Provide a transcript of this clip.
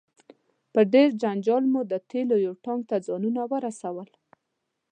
په ډیر جنجال مو د تیلو یو ټانک ته ځانونه ورسول.